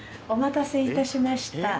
お待たせいたしました。